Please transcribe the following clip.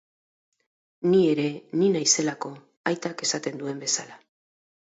Ni ere ni naizelako, aitak esaten duen bezala...